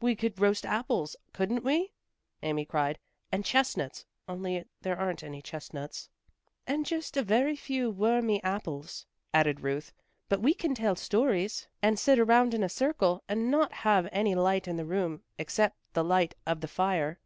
"We could roast apples, couldn't we?" Amy cried. "And chestnuts. Only there aren't any chestnuts." "And just a few very wormy apples," added Ruth. "But we can tell stories, and sit around in a circle, and not have any light in the room, except the light of the fire."